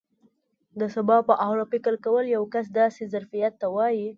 د سبا په اړه فکر کول یو کس داسې ظرفیت ته وایي.